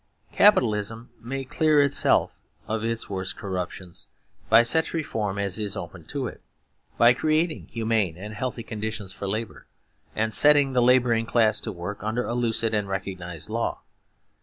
Capitalism may clear itself of its worst corruptions by such reform as is open to it; by creating humane and healthy conditions for labour, and setting the labouring classes to work under a lucid and recognised law.